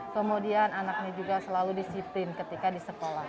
kemudian anaknya juga selalu disiplin ketika di sekolah